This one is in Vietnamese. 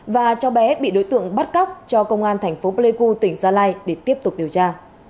và cháu bé bị đối tượng bắt cóc cho công an thành phố pleiku tỉnh gia lai để tiếp tục điều tra